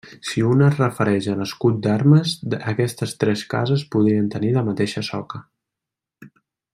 Si un es refereix a l'escut d'armes, aquestes tres cases podrien tenir la mateixa soca.